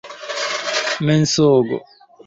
mensogo